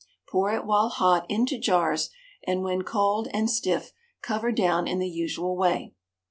Pour it while hot into jars, and when cold and stiff cover down in the usual way.